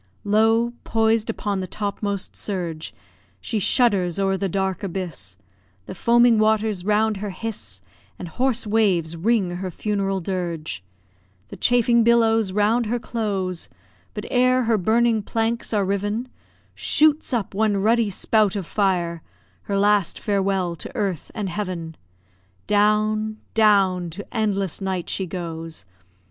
Lo, poised upon the topmost surge, She shudders o'er the dark abyss; The foaming waters round her hiss And hoarse waves ring her funeral dirge; The chafing billows round her close; But ere her burning planks are riven, Shoots up one ruddy spout of fire, Her last farewell to earth and heaven. Down, down to endless night she goes!